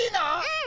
うん！